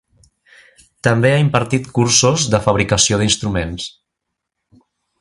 També ha impartit cursos de fabricació d'instruments.